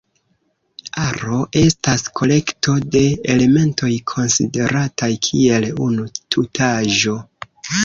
Aro estas kolekto de elementoj konsiderataj kiel unu tutaĵo.